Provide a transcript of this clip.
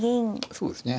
そうですね。